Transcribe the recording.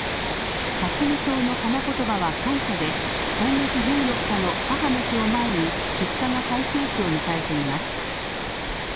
カスミソウの花言葉は感謝で今月１４日の母の日を前に出荷が最盛期を迎えています。